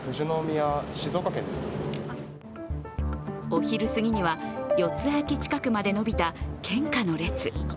お昼すぎには、四ツ谷駅近くまでのびた献花の列。